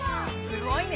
「すごいね」